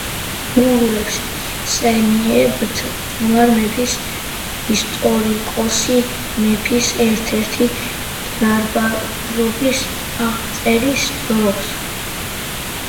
გურულებს იხსენიებს თამარ მეფის ისტორიკოსი მეფის ერთ-ერთი დარბაზობის აღწერის დროს.